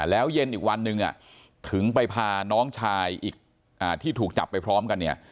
แล้วเย็นอีกวันหนึ่งถึงไปพาน้องชายอีกที่ถูกจับไปพร้อมกันเนี่ย